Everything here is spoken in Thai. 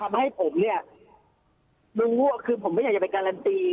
ทำให้ผมเนี่ยมึงว่าคือผมไม่อยากจะเป็นการรันตี